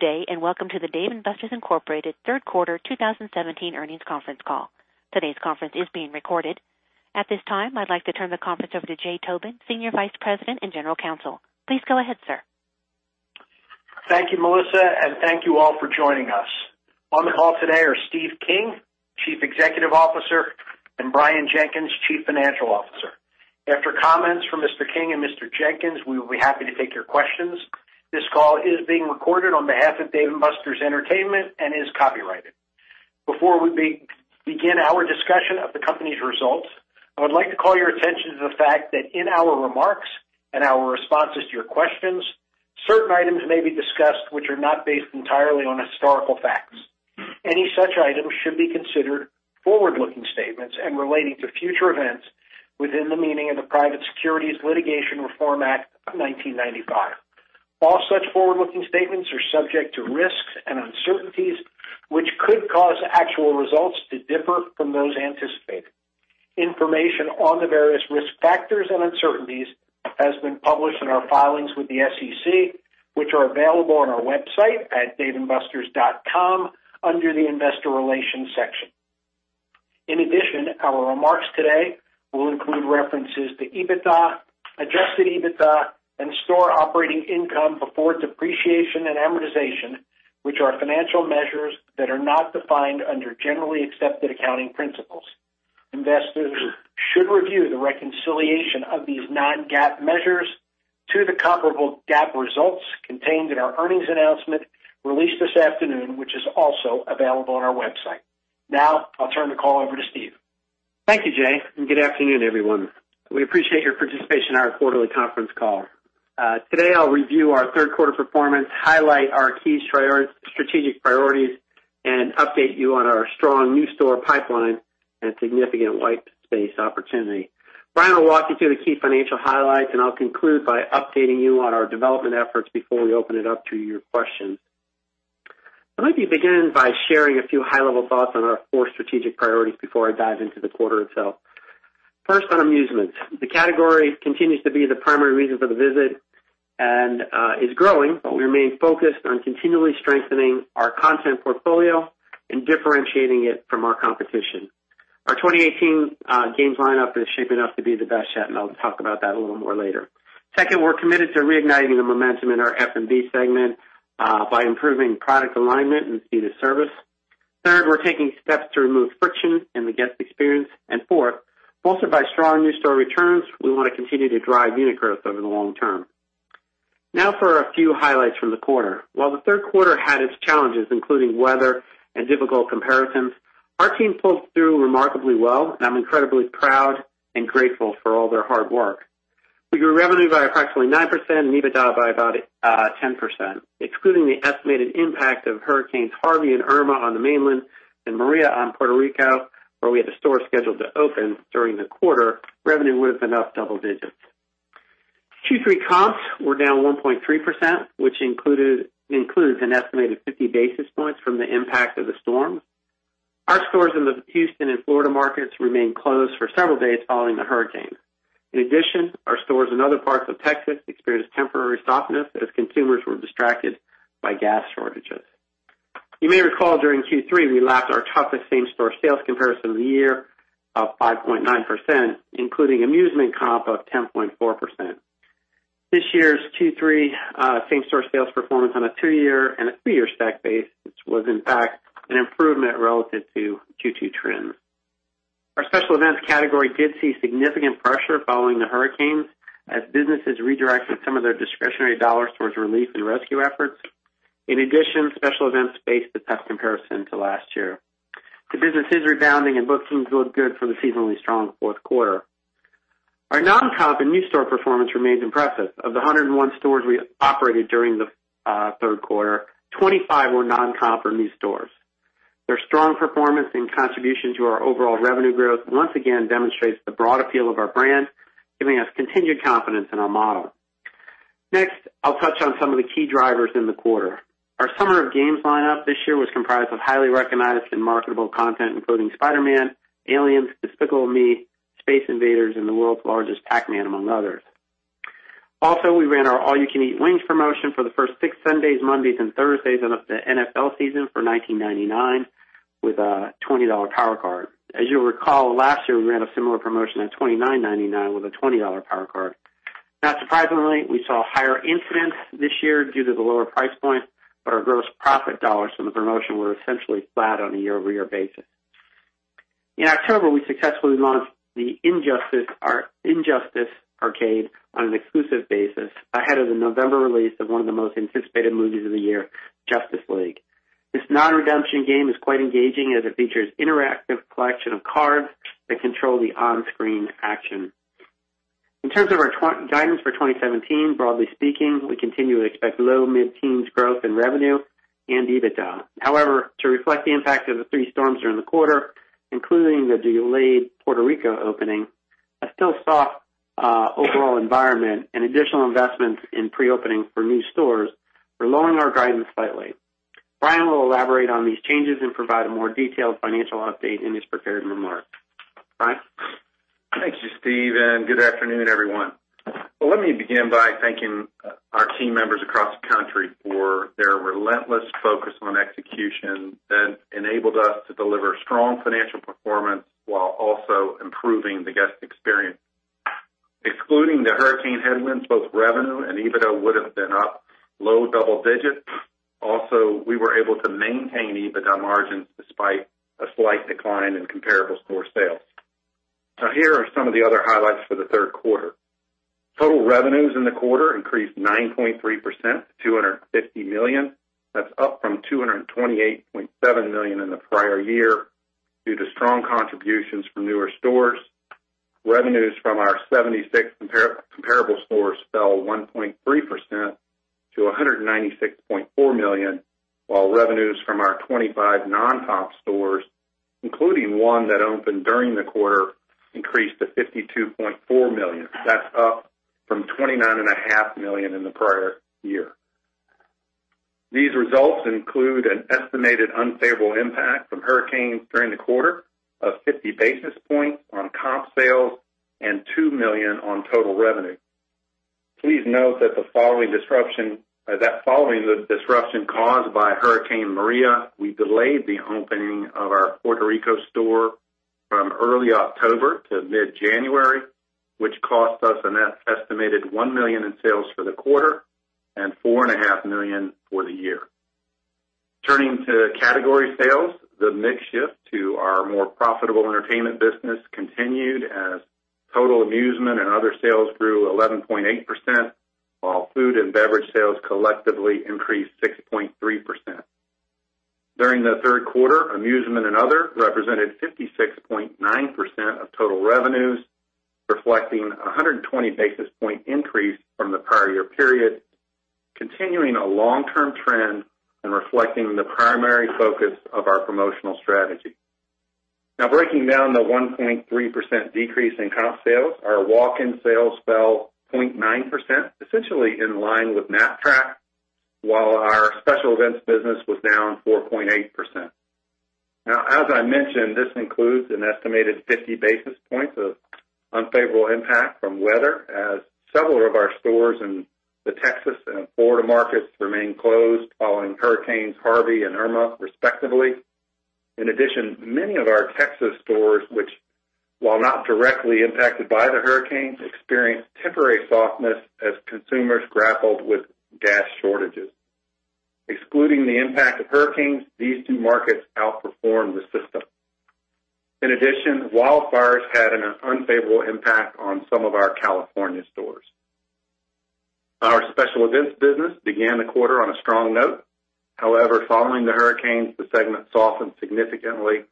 Good day, welcome to the Dave & Buster's Incorporated third quarter 2017 earnings conference call. Today's conference is being recorded. At this time, I'd like to turn the conference over to Jay Tobin, Senior Vice President and General Counsel. Please go ahead, sir. Thank you, Melissa, thank you all for joining us. On the call today are Steve King, Chief Executive Officer, Brian Jenkins, Chief Financial Officer. After comments from Mr. King and Mr. Jenkins, we will be happy to take your questions. This call is being recorded on behalf of Dave & Buster's Entertainment and is copyrighted. Before we begin our discussion of the company's results, I would like to call your attention to the fact that in our remarks and our responses to your questions, certain items may be discussed which are not based entirely on historical facts. Any such items should be considered forward-looking statements and relating to future events within the meaning of the Private Securities Litigation Reform Act of 1995. All such forward-looking statements are subject to risks and uncertainties, which could cause actual results to differ from those anticipated. Information on the various risk factors and uncertainties has been published in our filings with the SEC, which are available on our website at daveandbusters.com under the investor relations section. Our remarks today will include references to EBITDA, adjusted EBITDA, and store operating income before depreciation and amortization, which are financial measures that are not defined under generally accepted accounting principles. Investors should review the reconciliation of these non-GAAP measures to the comparable GAAP results contained in our earnings announcement released this afternoon, which is also available on our website. I'll turn the call over to Steve. Thank you, Jay, good afternoon, everyone. We appreciate your participation in our quarterly conference call. Today I'll review our third quarter performance, highlight our key strategic priorities, update you on our strong new store pipeline and significant white space opportunity. Brian will walk you through the key financial highlights, I'll conclude by updating you on our development efforts before we open it up to your questions. Let me begin by sharing a few high-level thoughts on our four strategic priorities before I dive into the quarter itself. First, on amusements. The category continues to be the primary reason for the visit and is growing, we remain focused on continually strengthening our content portfolio and differentiating it from our competition. Our 2018 games lineup is shaping up to be the best yet, I'll talk about that a little more later. Second, we're committed to reigniting the momentum in our F&B segment by improving product alignment and speed of service. Third, we're taking steps to remove friction in the guest experience. Fourth, bolstered by strong new store returns, we want to continue to drive unit growth over the long term. Now for a few highlights from the quarter. While the third quarter had its challenges, including weather and difficult comparisons, our team pulled through remarkably well, and I'm incredibly proud and grateful for all their hard work. We grew revenue by approximately 9% and EBITDA by about 10%. Excluding the estimated impact of Hurricanes Harvey and Irma on the mainland and Hurricane Maria on Puerto Rico, where we had the store scheduled to open during the quarter, revenue would have been up double digits. Q3 comps were down 1.3%, which includes an estimated 50 basis points from the impact of the storm. Our stores in the Houston and Florida markets remained closed for several days following the hurricane. In addition, our stores in other parts of Texas experienced temporary softness as consumers were distracted by gas shortages. You may recall during Q3, we lapped our toughest same-store sales comparison of the year of 5.9%, including amusement comp of 10.4%. This year's Q3 same-store sales performance on a two-year and a three-year stack base, which was in fact an improvement relative to Q2 trends. Our special events category did see significant pressure following the hurricanes as businesses redirected some of their discretionary dollars towards relief and rescue efforts. In addition, special events faced a tough comparison to last year. The business is rebounding, and bookings look good for the seasonally strong fourth quarter. Our non-comp and new store performance remains impressive. Of the 101 stores we operated during the third quarter, 25 were non-comp or new stores. Their strong performance and contribution to our overall revenue growth once again demonstrates the broad appeal of our brand, giving us continued confidence in our model. Next, I'll touch on some of the key drivers in the quarter. Our Summer of Games lineup this year was comprised of highly recognized and marketable content, including "Spider-Man," "Aliens," "Despicable Me," "Space Invaders," and the world's largest "Pac-Man," among others. We ran our All You Can Eat Wings promotion for the first six Sundays, Mondays, and Thursdays of the NFL season for $19.99 with a $20 Power Card. As you'll recall, last year we ran a similar promotion at $29.99 with a $20 Power Card. Not surprisingly, we saw higher incidence this year due to the lower price point, but our gross profit dollars from the promotion were essentially flat on a year-over-year basis. In October, we successfully launched the Injustice Arcade on an exclusive basis ahead of the November release of one of the most anticipated movies of the year, "Justice League." This non-redemption game is quite engaging as it features interactive collection of cards that control the on-screen action. In terms of our guidance for 2017, broadly speaking, we continue to expect low mid-teens growth in revenue and EBITDA. To reflect the impact of the three storms during the quarter, including the delayed Puerto Rico opening, a still soft overall environment, and additional investments in pre-opening for new stores, we're lowering our guidance slightly. Brian will elaborate on these changes and provide a more detailed financial update in his prepared remarks. Brian? Steve, good afternoon, everyone. Let me begin by thanking our team members across the country for their relentless focus on execution that enabled us to deliver strong financial performance while also improving the guest experience. Excluding the hurricane headwinds, both revenue and EBITDA would've been up low double digits. We were able to maintain EBITDA margins despite a slight decline in comparable store sales. Here are some of the other highlights for the third quarter. Total revenues in the quarter increased 9.3% to $250 million. That's up from $228.7 million in the prior year due to strong contributions from newer stores. Revenues from our 76 comparable stores fell 1.3% to $196.4 million, while revenues from our 25 non-comp stores, including one that opened during the quarter, increased to $52.4 million. That's up from $29.5 million in the prior year. These results include an estimated unfavorable impact from hurricanes during the quarter of 50 basis points on comp sales and $2 million on total revenue. Please note that following the disruption caused by Hurricane Maria, we delayed the opening of our Puerto Rico store from early October to mid-January, which cost us an estimated $1 million in sales for the quarter and $4.5 million for the year. Turning to category sales, the mix shift to our more profitable entertainment business continued as total amusement and other sales grew 11.8%, while food and beverage sales collectively increased 6.3%. During the third quarter, amusement and other represented 56.9% of total revenues, reflecting a 120-basis point increase from the prior year period, continuing a long-term trend and reflecting the primary focus of our promotional strategy. Breaking down the 1.3% decrease in comp sales, our walk-in sales fell 0.9%, essentially in line with Knapp-Track, while our special events business was down 4.8%. As I mentioned, this includes an estimated 50 basis points of unfavorable impact from weather, as several of our stores in the Texas and Florida markets remain closed following hurricanes Harvey and Irma respectively. In addition, many of our Texas stores, which while not directly impacted by the hurricanes, experienced temporary softness as consumers grappled with gas shortages. Excluding the impact of hurricanes, these two markets outperformed the system. In addition, wildfires had an unfavorable impact on some of our California stores. Our special events business began the quarter on a strong note. However, following the hurricanes, the segment softened significantly,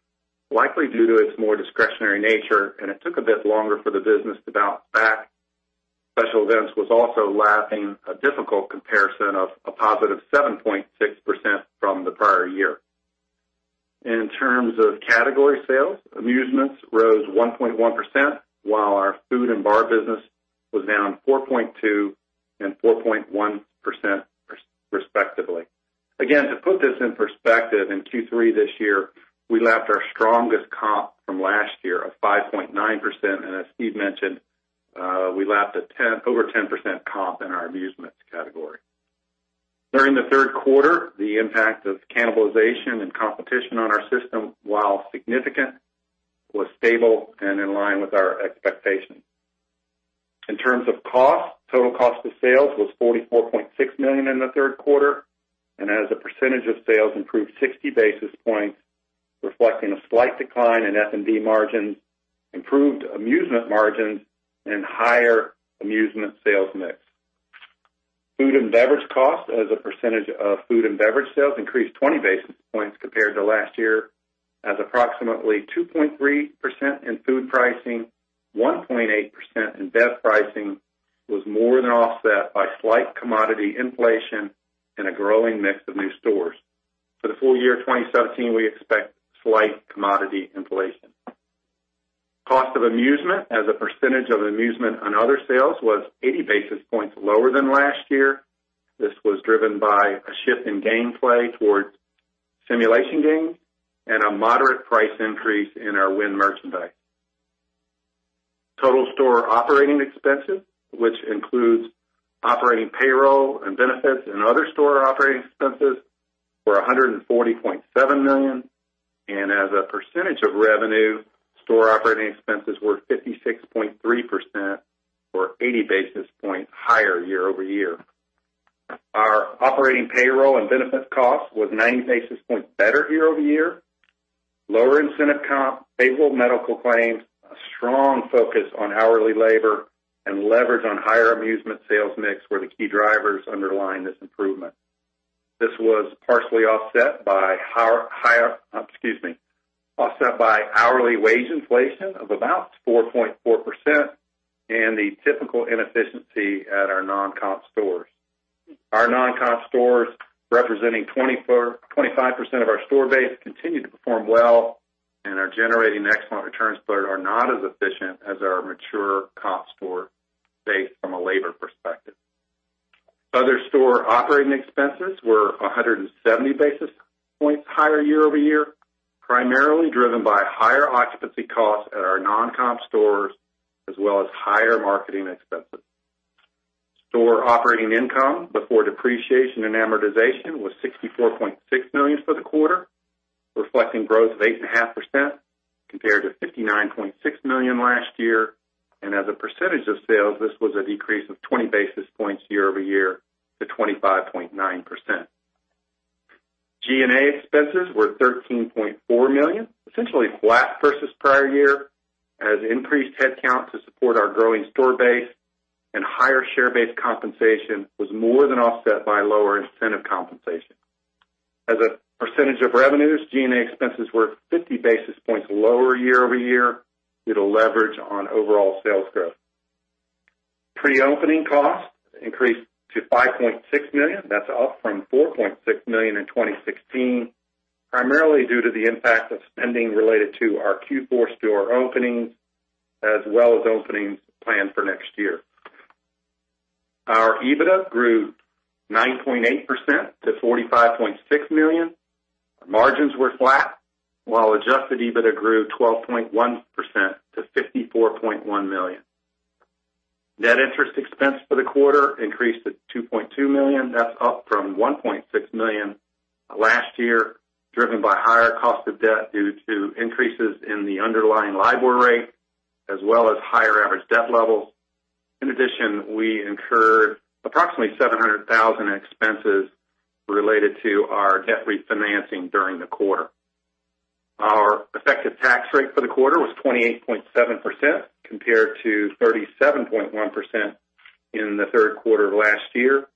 likely due to its more discretionary nature, and it took a bit longer for the business to bounce back. Special events was also lapping a difficult comparison of a positive 7.6% from the prior year. In terms of category sales, amusements rose 1.1%, while our food and bar business was down 4.2% and 4.1% respectively. To put this in perspective, in Q3 this year, we lapped our strongest comp from last year of 5.9%, and as Steve mentioned, we lapped over 10% comp in our amusements category. During the third quarter, the impact of cannibalization and competition on our system, while significant, was stable and in line with our expectations. In terms of cost, total cost of sales was $44.6 million in the third quarter, and as a percentage of sales improved 60 basis points, reflecting a slight decline in F&B margins, improved amusement margins, and higher amusement sales mix. Food and beverage cost as a percentage of food and beverage sales increased 20 basis points compared to last year as approximately 2.3% in food pricing, 1.8% in bev pricing was more than offset by slight commodity inflation and a growing mix of new stores. For the full year 2017, we expect slight commodity inflation. Cost of amusement as a percentage of amusement and other sales was 80 basis points lower than last year. This was driven by a shift in gameplay towards simulation games and a moderate price increase in our win merchandise. Total store operating expenses, which includes operating payroll and benefits and other store operating expenses, were $140.7 million, and as a percentage of revenue, store operating expenses were 56.3%, or 80 basis points higher year-over-year. Our operating payroll and benefit cost was 90 basis points better year-over-year. Lower incentive comp, favorable medical claims, a strong focus on hourly labor, and leverage on higher amusement sales mix were the key drivers underlying this improvement. This was partially offset by. Excuse me. Offset by hourly wage inflation of about 4.4% and the typical inefficiency at our non-comp stores. Our non-comp stores, representing 25% of our store base, continue to perform well and are generating excellent returns but are not as efficient as our mature comp store base from a labor perspective. Store operating expenses were 170 basis points higher year-over-year, primarily driven by higher occupancy costs at our non-comp stores, as well as higher marketing expenses. Store operating income before depreciation and amortization was $64.6 million for the quarter, reflecting growth of 8.5% compared to $59.6 million last year. As a percentage of sales, this was a decrease of 20 basis points year-over-year to 25.9%. G&A expenses were $13.4 million, essentially flat versus prior year, as increased headcounts to support our growing store base and higher share-based compensation was more than offset by lower incentive compensation. As a percentage of revenues, G&A expenses were 50 basis points lower year-over-year with a leverage on overall sales growth. Pre-opening costs increased to $5.6 million. That's up from $4.6 million in 2016, primarily due to the impact of spending related to our Q4 store openings, as well as openings planned for next year. Our EBITDA grew 9.8% to $45.6 million. Our margins were flat, while adjusted EBITDA grew 12.1% to $54.1 million. Net interest expense for the quarter increased to $2.2 million. That's up from $1.6 million last year, driven by higher cost of debt due to increases in the underlying LIBOR rate, as well as higher average debt levels. In addition, we incurred approximately $700,000 in expenses related to our debt refinancing during the quarter. Our effective tax rate for the quarter was 28.7%, compared to 37.1% in the third quarter of last year.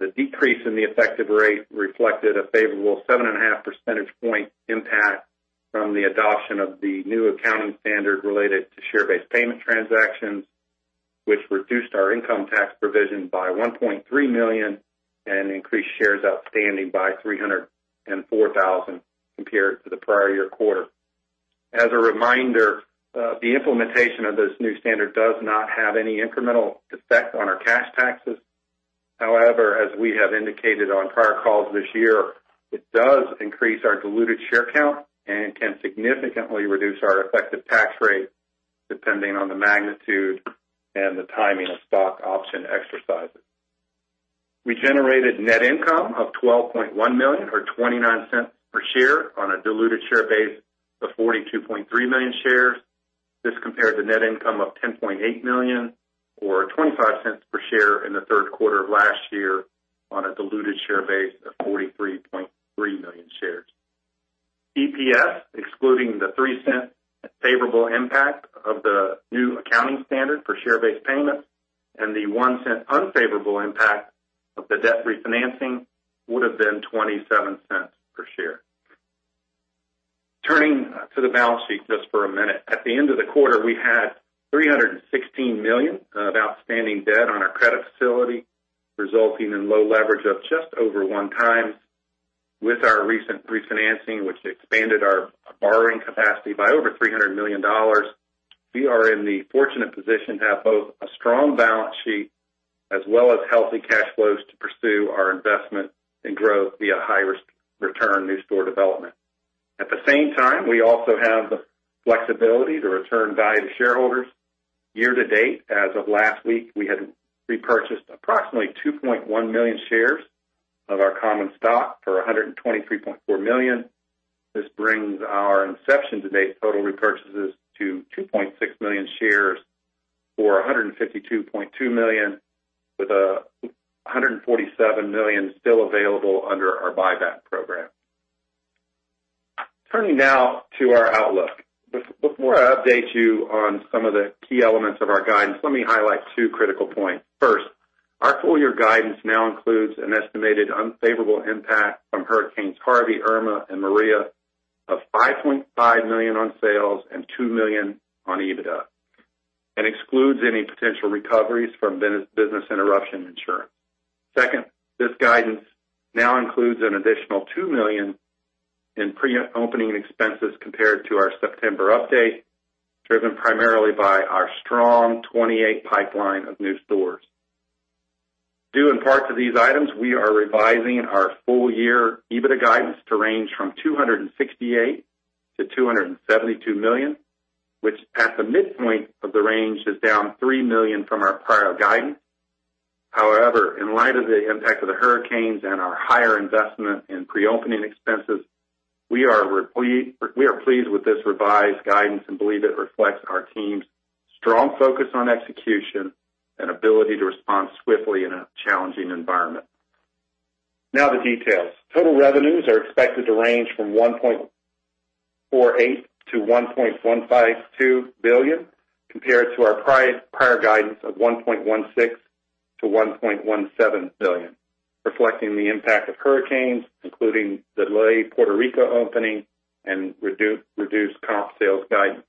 The decrease in the effective rate reflected a favorable seven and a half percentage point impact from the adoption of the new accounting standard related to share-based payment transactions, which reduced our income tax provision by $1.3 million and increased shares outstanding by 304,000 compared to the prior year quarter. As a reminder, the implementation of this new standard does not have any incremental effect on our cash taxes. However, as we have indicated on prior calls this year, it does increase our diluted share count and can significantly reduce our effective tax rate depending on the magnitude and the timing of stock option exercises. We generated net income of $12.1 million or $0.29 per share on a diluted share base of 42.3 million shares. This compared to net income of $10.8 million or $0.25 per share in the third quarter of last year on a diluted share base of 43.3 million shares. EPS, excluding the $0.03 favorable impact of the new accounting standard for share-based payments and the $0.01 unfavorable impact of the debt refinancing, would have been $0.27 per share. Turning to the balance sheet just for a minute. At the end of the quarter, we had $316 million of outstanding debt on our credit facility, resulting in low leverage of just over one times. With our recent refinancing, which expanded our borrowing capacity by over $300 million, we are in the fortunate position to have both a strong balance sheet as well as healthy cash flows to pursue our investment and growth via high return new store development. At the same time, we also have the flexibility to return value to shareholders. Year to date, as of last week, we had repurchased approximately 2.1 million shares of our common stock for $123.4 million. This brings our inception to date total repurchases to 2.6 million shares for $152.2 million, with $147 million still available under our buyback program. Turning now to our outlook. Before I update you on some of the key elements of our guidance, let me highlight two critical points. First, our full year guidance now includes an estimated unfavorable impact from hurricanes Harvey, Irma, and Maria of $5.5 million on sales and $2 million on EBITDA, and excludes any potential recoveries from business interruption insurance. Second, this guidance now includes an additional $2 million in pre-opening expenses compared to our September update, driven primarily by our strong 28 pipeline of new stores. Due in part to these items, we are revising our full year EBITDA guidance to range from $268 million to $272 million, which at the midpoint of the range is down $3 million from our prior guidance. However, in light of the impact of the hurricanes and our higher investment in pre-opening expenses, we are pleased with this revised guidance and believe it reflects our team's strong focus on execution and ability to respond swiftly in a challenging environment. Now the details. Total revenues are expected to range from $1.148 billion to $1.152 billion, compared to our prior guidance of $1.16 billion to $1.17 billion, reflecting the impact of hurricanes, including delayed Puerto Rico opening and reduced comp sales guidance.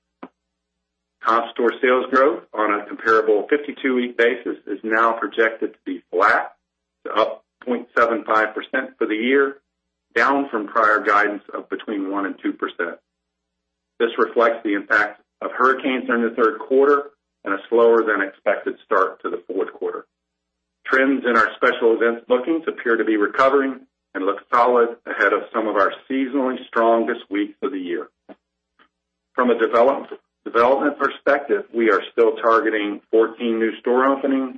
Comp store sales growth on a comparable 52-week basis is now projected to be flat to up 0.75% for the year, down from prior guidance of between 1% and 2%. This reflects the impact of hurricanes in the third quarter and a slower than expected start to the fourth quarter. Trends in our special events bookings appear to be recovering and look solid ahead of some of our seasonally strongest weeks of the year. From a development perspective, we are still targeting 14 new store openings,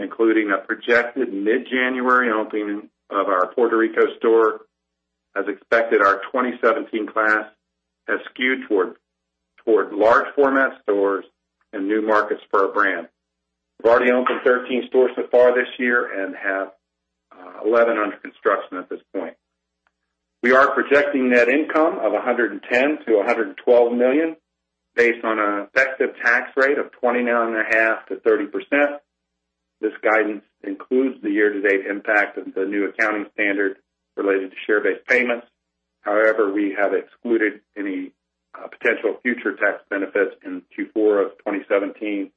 including a projected mid-January opening of our Puerto Rico store. As expected, our 2017 class has skewed toward large format stores and new markets for our brand. We've already opened 13 stores so far this year and have 11 under construction at this point. We are projecting net income of $110 million-$112 million based on an effective tax rate of 29.5%-30%. This guidance includes the year-to-date impact of the new accounting standard related to share-based payments. However, we have excluded any potential future tax benefits in Q4 of 2017,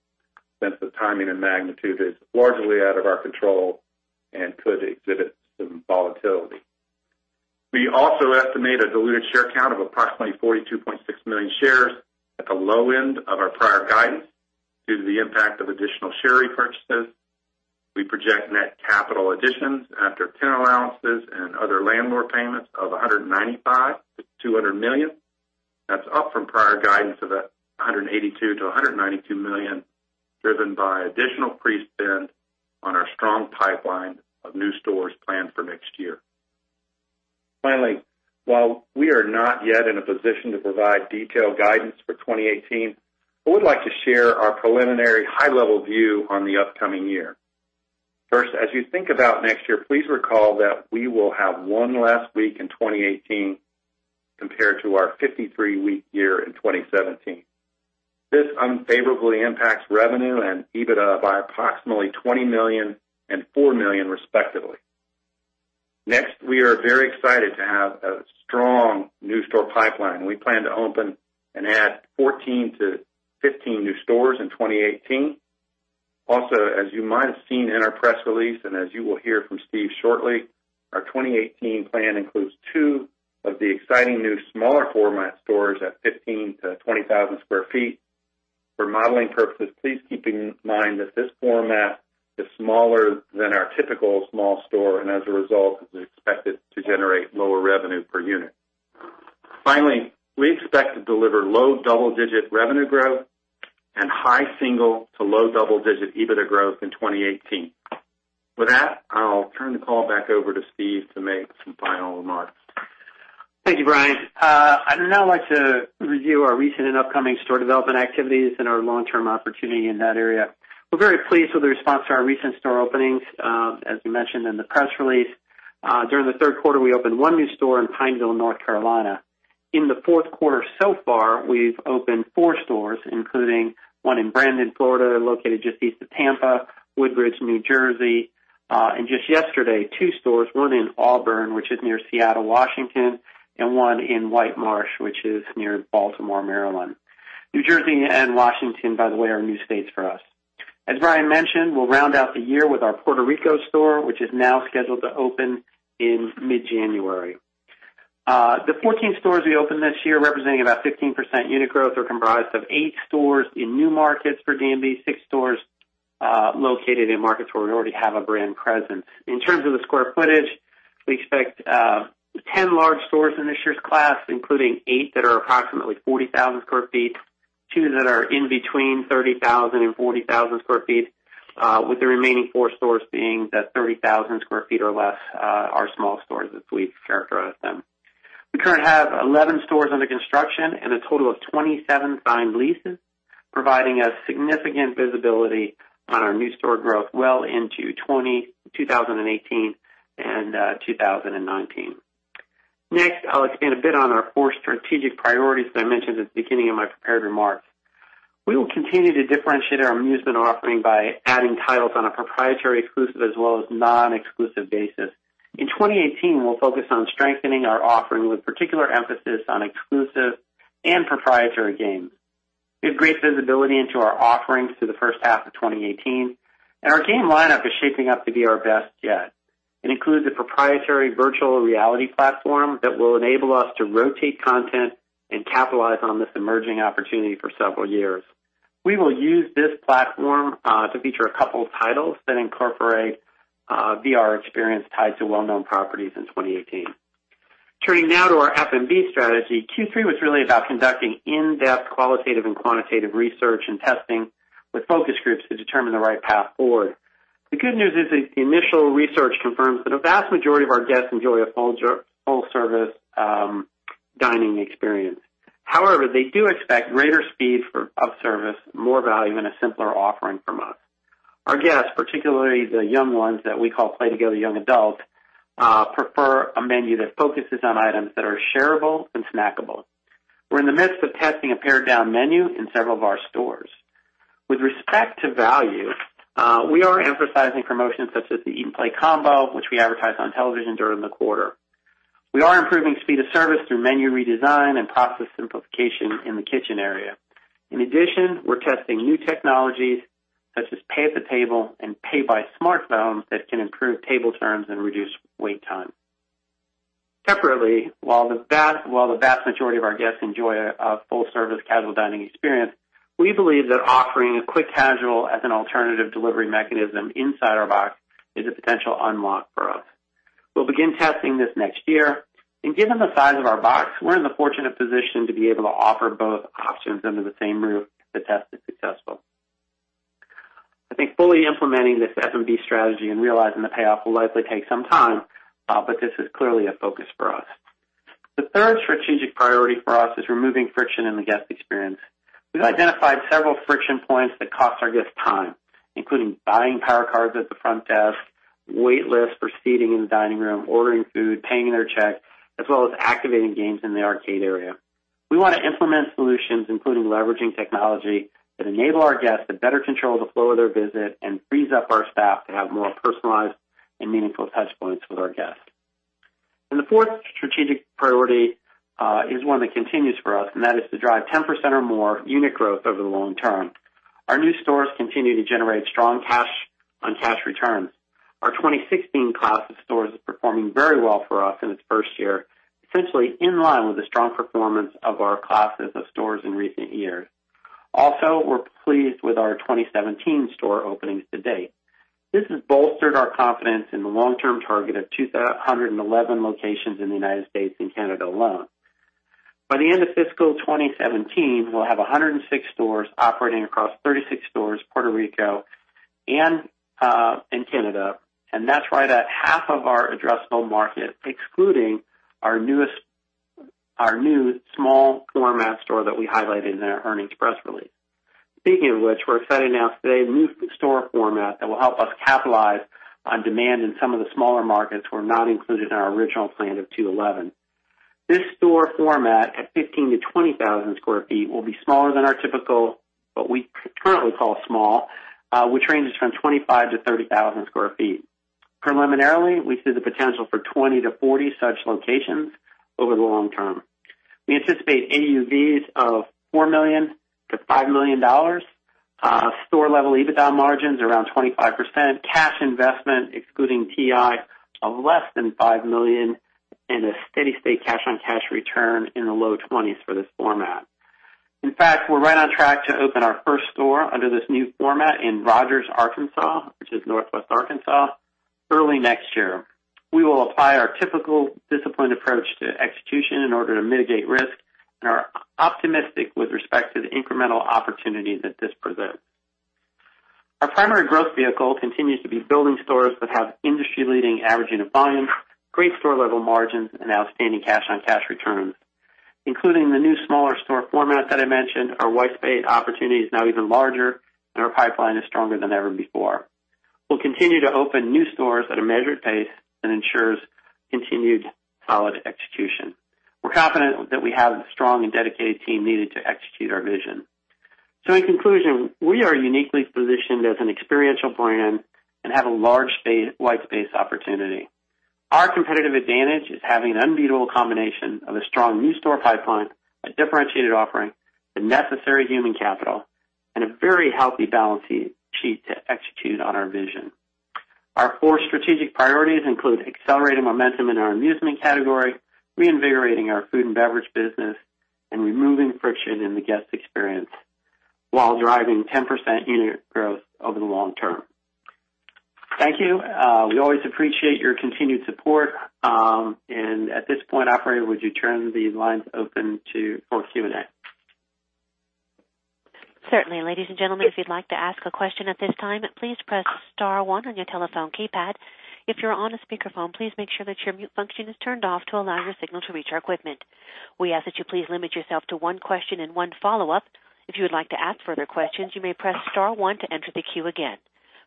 since the timing and magnitude is largely out of our control and could exhibit some volatility. We also estimate a diluted share count of approximately 42.6 million shares at the low end of our prior guidance due to the impact of additional share repurchases. We project net capital additions after tenant allowances and other landlord payments of $195 million-$200 million. That's up from prior guidance of $182 million-$192 million, driven by additional pre-spend on our strong pipeline of new stores planned for next year. Finally, while we are not yet in a position to provide detailed guidance for 2018, I would like to share our preliminary high-level view on the upcoming year. First, as you think about next year, please recall that we will have one less week in 2018 compared to our 53-week year in 2017. This unfavorably impacts revenue and EBITDA by approximately $20 million and $4 million respectively. Next, we are very excited to have a strong new store pipeline. We plan to open and add 14-15 new stores in 2018. Also, as you might have seen in our press release and as you will hear from Steve shortly, our 2018 plan includes two of the exciting new smaller format stores at 15,000-20,000 sq ft. For modeling purposes, please keep in mind that this format is smaller than our typical small store and as a result is expected to generate lower revenue per unit. Finally, we expect to deliver low double-digit revenue growth and high single to low double-digit EBITDA growth in 2018. With that, I'll turn the call back over to Steve to make some final remarks. Thank you, Brian. I'd now like to review our recent and upcoming store development activities and our long-term opportunity in that area. We're very pleased with the response to our recent store openings. As we mentioned in the press release, during the third quarter, we opened one new store in Pineville, North Carolina. In the fourth quarter so far, we've opened four stores, including one in Brandon, Florida, located just east of Tampa, Woodbridge, New Jersey, and just yesterday, two stores, one in Auburn, which is near Seattle, Washington, and one in White Marsh, which is near Baltimore, Maryland. New Jersey and Washington, by the way, are new states for us. As Brian mentioned, we'll round out the year with our Puerto Rico store, which is now scheduled to open in mid-January. The 14 stores we opened this year, representing about 15% unit growth, are comprised of eight stores in new markets for Dave & Buster's, six stores located in markets where we already have a brand presence. In terms of the square footage, we expect 10 large stores in this year's class, including eight that are approximately 40,000 sq ft, two that are in between 30,000 and 40,000 sq ft, with the remaining four stores being the 30,000 sq ft or less, our small stores as we characterize them. We currently have 11 stores under construction and a total of 27 signed leases, providing us significant visibility on our new store growth well into 2018 and 2019. I'll expand a bit on our four strategic priorities that I mentioned at the beginning of my prepared remarks. We will continue to differentiate our amusement offering by adding titles on a proprietary exclusive as well as non-exclusive basis. In 2018, we'll focus on strengthening our offering with particular emphasis on exclusive and proprietary games. We have great visibility into our offerings through the first half of 2018, and our game lineup is shaping up to be our best yet. It includes a proprietary virtual reality platform that will enable us to rotate content and capitalize on this emerging opportunity for several years. We will use this platform to feature a couple titles that incorporate VR experience tied to well-known properties in 2018. Turning now to our F&B strategy, Q3 was really about conducting in-depth qualitative and quantitative research and testing with focus groups to determine the right path forward. The good news is the initial research confirms that a vast majority of our guests enjoy a full-service dining experience. However, they do expect greater speed of service, more value, and a simpler offering from us. Our guests, particularly the young ones that we call play together young adults, prefer a menu that focuses on items that are shareable and snackable. We're in the midst of testing a pared-down menu in several of our stores. With respect to value, we are emphasizing promotions such as the Eat & Play Combo, which we advertised on television during the quarter. We are improving speed of service through menu redesign and process simplification in the kitchen area. In addition, we're testing new technologies such as pay at the table and pay by smartphone that can improve table turns and reduce wait time. Separately, while the vast majority of our guests enjoy a full-service casual dining experience, we believe that offering a quick casual as an alternative delivery mechanism inside our box is a potential unlock for us. We'll begin testing this next year, and given the size of our box, we're in the fortunate position to be able to offer both options under the same roof if the test is successful. I think fully implementing this F&B strategy and realizing the payoff will likely take some time, but this is clearly a focus for us. The third strategic priority for us is removing friction in the guest experience. We've identified several friction points that cost our guests time, including buying Power Cards at the front desk, wait lists for seating in the dining room, ordering food, paying their check, as well as activating games in the arcade area. We want to implement solutions, including leveraging technology, that enable our guests to better control the flow of their visit and frees up our staff to have more personalized and meaningful touch points with our guests. The fourth strategic priority is one that continues for us, and that is to drive 10% or more unit growth over the long term. Our new stores continue to generate strong cash on cash returns. Our 2016 class of stores is performing very well for us in its first year, essentially in line with the strong performance of our classes of stores in recent years. Also, we're pleased with our 2017 store openings to date. This has bolstered our confidence in the long-term target of 211 locations in the U.S. and Canada alone. By the end of fiscal 2017, we'll have 106 stores operating across 36 states, Puerto Rico, and Canada. That's right at half of our addressable market, excluding our new small format store that we highlighted in our earnings press release. Speaking of which, we're excited to announce today a new store format that will help us capitalize on demand in some of the smaller markets were not included in our original plan of 211. This store format, at 15,000-20,000 sq ft, will be smaller than our typical, what we currently call small, which ranges from 25,000-30,000 sq ft. Preliminarily, we see the potential for 20-40 such locations over the long term. We anticipate AUVs of $4 million-$5 million. Store-level EBITDA margins around 25%. Cash investment, excluding TI, of less than $5 million, and a steady state cash on cash return in the low 20s for this format. In fact, we're right on track to open our first store under this new format in Rogers, Arkansas, which is northwest Arkansas, early next year. We will apply our typical disciplined approach to execution in order to mitigate risk and are optimistic with respect to the incremental opportunity that this presents. Our primary growth vehicle continues to be building stores that have industry-leading average unit volume, great store-level margins, and outstanding cash-on-cash returns. Including the new smaller store format that I mentioned, our white space opportunity is now even larger and our pipeline is stronger than ever before. We'll continue to open new stores at a measured pace that ensures continued solid execution. We're confident that we have the strong and dedicated team needed to execute our vision. In conclusion, we are uniquely positioned as an experiential brand and have a large white space opportunity. Our competitive advantage is having an unbeatable combination of a strong new store pipeline, a differentiated offering, the necessary human capital, and a very healthy balance sheet to execute on our vision. Our four strategic priorities include accelerating momentum in our amusement category, reinvigorating our food and beverage business, and removing friction in the guest experience while driving 10% unit growth over the long term. Thank you. We always appreciate your continued support. At this point, operator, would you turn the lines open for Q&A? Certainly. Ladies and gentlemen, if you'd like to ask a question at this time, please press star one on your telephone keypad. If you're on a speakerphone, please make sure that your mute function is turned off to allow your signal to reach our equipment. We ask that you please limit yourself to one question and one follow-up. If you would like to ask further questions, you may press star one to enter the queue again.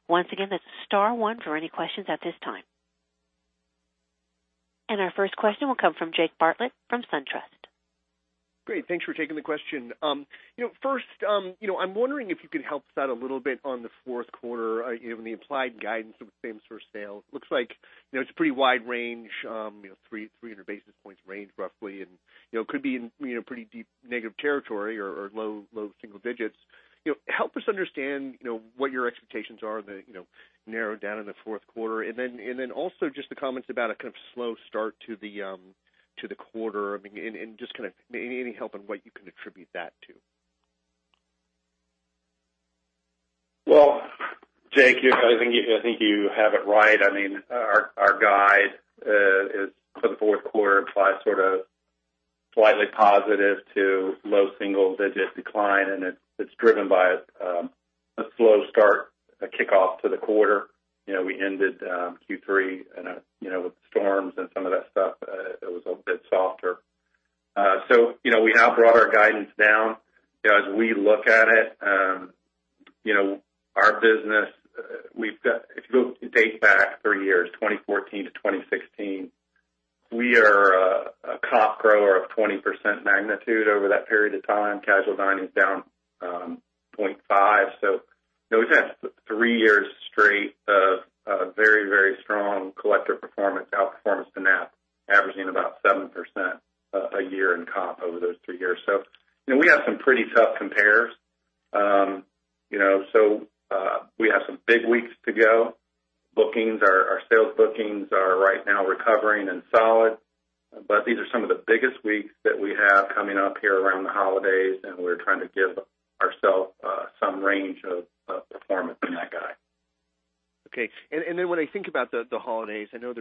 Once again, that's star one for any questions at this time. Our first question will come from Jake Bartlett from SunTrust. Great. Thanks for taking the question. First, I'm wondering if you could help us out a little bit on the fourth quarter, the implied guidance of same-store sales. Looks like it's a pretty wide range, 300 basis points range, roughly, and could be in pretty deep negative territory or low single digits. Help us understand what your expectations are narrowed down in the fourth quarter. Then also just the comments about a kind of slow start to the quarter and just kind of any help on what you can attribute that to. Well, Jake, I think you have it right. Our guide for the fourth quarter implies sort of slightly positive to low single-digit decline. It's driven by a slow start, a kickoff to the quarter. We ended Q3 with storms and some of that stuff. It was a bit softer. We have brought our guidance down. As we look at it, our business, if you date back three years, 2014 to 2016, we are a comp grower of 20% magnitude over that period of time. Casual dining is down 0.5%. That's three years straight of very strong collective performance, outperformance to now averaging about 7% a year in comp over those three years. We have some pretty tough compares. We have some big weeks to go. Our sales bookings are right now recovering and solid. These are some of the biggest weeks that we have coming up here around the holidays. We're trying to give ourselves some range of performance in that guide. Okay. When I think about the holidays, I know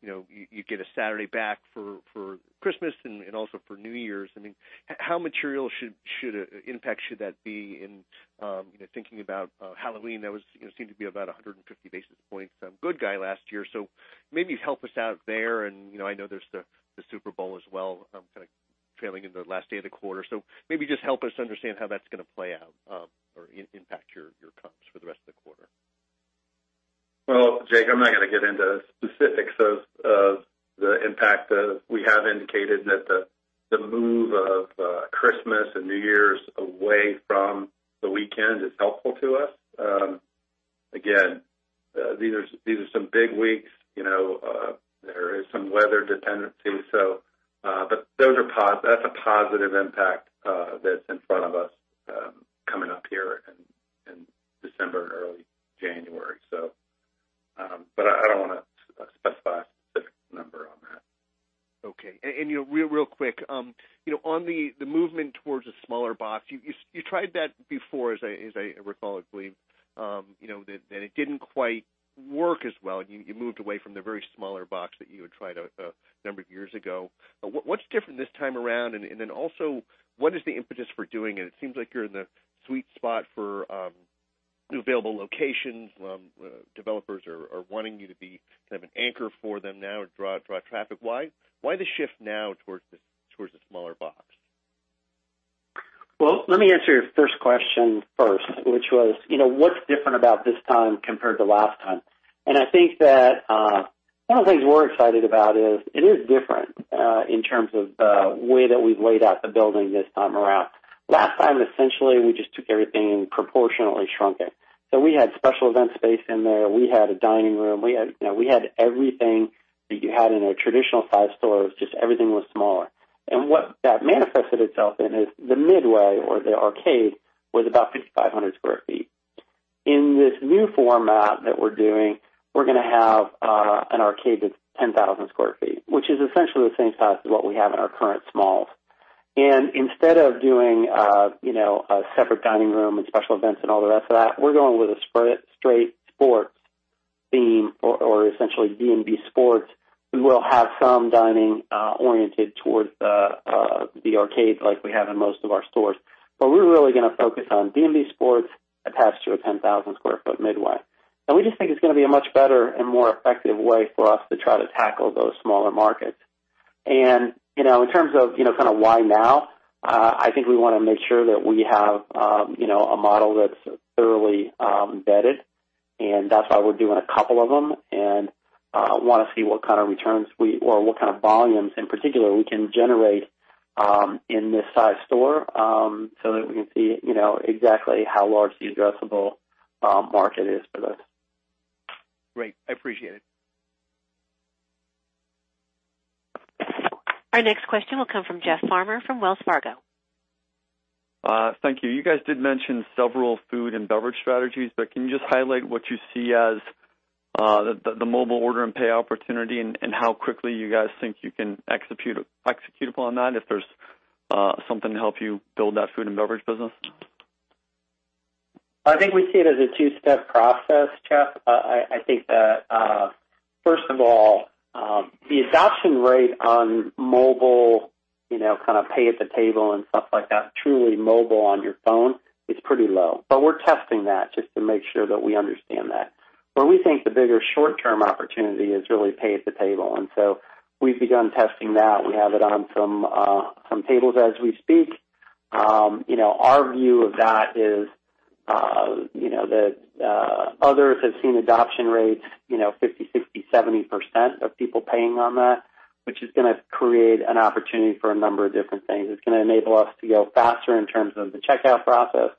you get a Saturday back for Christmas and also for New Year's. How material impact should that be in thinking about Halloween? That seemed to be about 150 basis points good guy last year. Maybe help us out there. I know there's the Super Bowl as well, kind of trailing into the last day of the quarter. Maybe just help us understand how that's going to play out, or impact your comps for the rest of the quarter. Well, Jake, I'm not going to get into specifics of the impact. We have indicated that the move of Christmas and New Year's away from the weekend is helpful to us. Again, these are some big weeks. There is some weather dependency. That's a positive impact that's in front of us coming up here in December and early January. I don't want to specify a specific number on that. Okay. Real quick, on the movement towards a smaller box, you tried that before, as I recall I believe. That it didn't quite work as well, and you moved away from the very smaller box that you had tried a number of years ago. What's different this time around, and then also, what is the impetus for doing it? It seems like you're in the sweet spot for new available locations. Developers are wanting you to be kind of an anchor for them now to draw traffic. Why the shift now towards a smaller box? Well, let me answer your first question first, which was, what's different about this time compared to last time? I think that one of the things we're excited about is it is different in terms of the way that we've laid out the building this time around. Last time, essentially, we just took everything and proportionately shrunk it. We had special event space in there. We had a dining room. We had everything that you had in a traditional size store, it was just everything was smaller. What that manifested itself in is the midway or the arcade was about 5,500 square feet. In this new format that we're doing, we're going to have an arcade that's 10,000 square feet, which is essentially the same size as what we have in our current smalls. Instead of doing a separate dining room and special events and all the rest of that, we're going with a straight sports theme or essentially D&B Sports. We will have some dining oriented towards the arcade like we have in most of our stores. We're really going to focus on D&B Sports attached to a 10,000 sq ft midway. We just think it's going to be a much better and more effective way for us to try to tackle those smaller markets. In terms of why now, I think we want to make sure that we have a model that's thoroughly embedded, and that's why we're doing a couple of them. We want to see what kind of returns or what kind of volumes, in particular, we can generate in this size store so that we can see exactly how large the addressable market is for this. Great. I appreciate it. Our next question will come from Jeff Farmer from Wells Fargo. Thank you. You guys did mention several food and beverage strategies, can you just highlight what you see as the mobile order and pay opportunity and how quickly you guys think you can execute upon that, if there's something to help you build that food and beverage business? I think we see it as a two-step process, Jeff. I think that, first of all, the adoption rate on mobile kind of pay at the table and stuff like that, truly mobile on your phone, is pretty low. We're testing that just to make sure that we understand that. We think the bigger short-term opportunity is really pay at the table. We've begun testing that. We have it on some tables as we speak. Our view of that is that others have seen adoption rates 50%, 60%, 70% of people paying on that, which is going to create an opportunity for a number of different things. It's going to enable us to go faster in terms of the checkout process.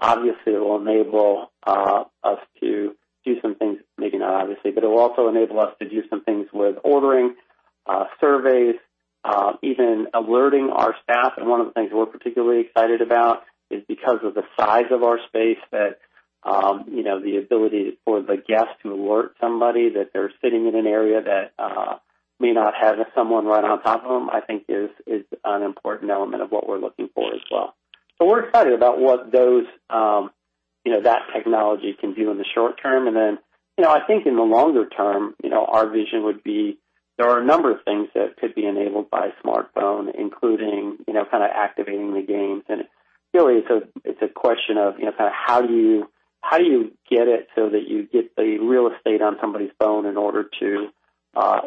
Obviously, it will enable us to do some things, maybe not obviously, but it will also enable us to do some things with ordering, surveys, even alerting our staff. One of the things we're particularly excited about is because of the size of our space that the ability for the guest to alert somebody that they're sitting in an area that may not have someone right on top of them, I think is an important element of what we're looking for as well. We're excited about what that technology can do in the short term. Then, I think in the longer term, our vision would be there are a number of things that could be enabled by a smartphone, including kind of activating the games. Really, it's a question of how do you get it so that you get the real estate on somebody's phone in order to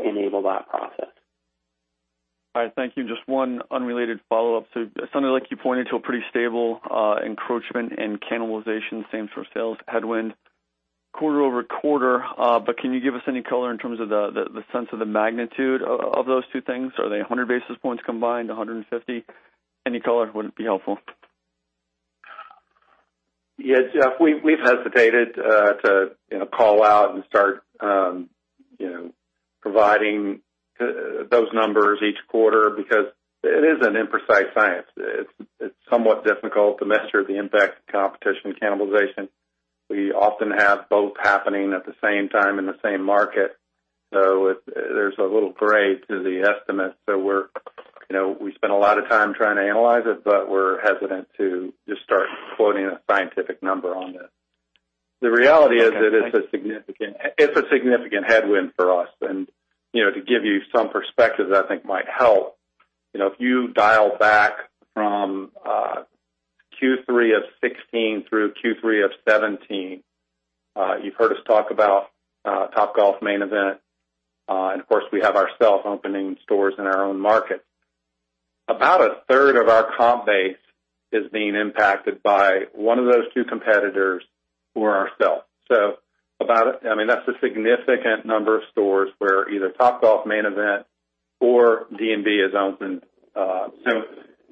enable that process. All right. Thank you. Just one unrelated follow-up. It sounded like you pointed to a pretty stable encroachment and cannibalization, same store sales headwind. quarter-over-quarter, but can you give us any color in terms of the sense of the magnitude of those two things? Are they 100 basis points combined, 150? Any color would be helpful. Yes, Jeff, we've hesitated to call out and start providing those numbers each quarter because it is an imprecise science. It's somewhat difficult to measure the impact of competition and cannibalization. We often have both happening at the same time in the same market. There's a little gray to the estimate. We spend a lot of time trying to analyze it, but we're hesitant to just start quoting a scientific number on this. The reality is- Okay, thank you that it's a significant headwind for us. To give you some perspective, I think might help, if you dial back from Q3 2016 through Q3 2017, you've heard us talk about Topgolf and Main Event, and of course, we have ourselves opening stores in our own market. About a third of our comp base is being impacted by one of those two competitors or ourselves. That's a significant number of stores where either Topgolf Main Event or D&B has opened.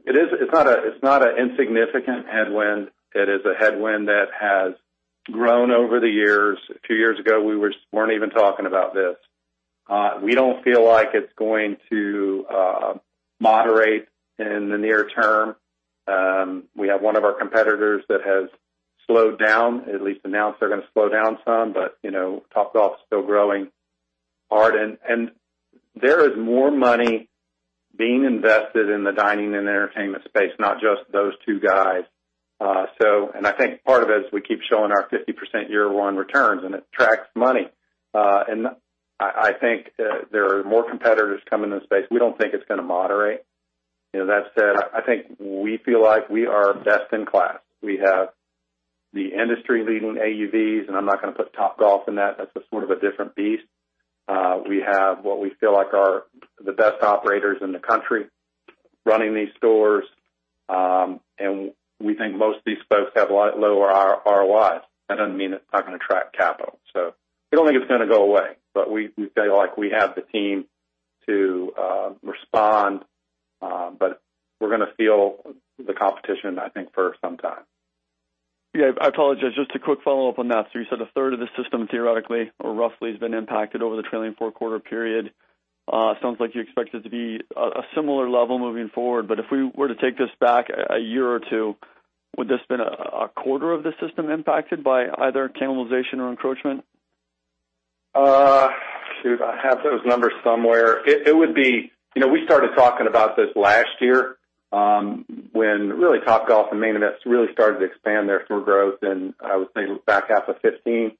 It's not an insignificant headwind. It is a headwind that has grown over the years. A few years ago, we weren't even talking about this. We don't feel like it's going to moderate in the near term. We have one of our competitors that has slowed down, at least announced they're going to slow down some. Topgolf is still growing hard, and there is more money being invested in the dining and entertainment space, not just those two guys. I think part of it is we keep showing our 50% year-one returns, and it attracts money. I think there are more competitors coming into the space. We don't think it's going to moderate. That said, I think we feel like we are best in class. We have the industry-leading AUVs, and I'm not going to put Topgolf in that. That's a sort of a different beast. We have what we feel like are the best operators in the country running these stores. We think most of these folks have lower ROIs. That doesn't mean it's not going to attract capital. We don't think it's going to go away. We feel like we have the team to respond. We're going to feel the competition, I think, for some time. I apologize. Just a quick follow-up on that. You said a third of the system theoretically or roughly has been impacted over the trailing four-quarter period. Sounds like you expect it to be a similar level moving forward, if we were to take this back a year or two, would this have been a quarter of the system impacted by either cannibalization or encroachment? Shoot. I have those numbers somewhere. We started talking about this last year, really Topgolf and Main Event really started to expand their store growth, I would say it was back half of 2015.